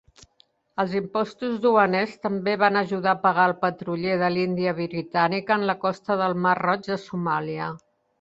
Els impostos duaners també van ajudar a pagar el patruller de l'Índia britànica en la costa del Mar Roig de Somàlia.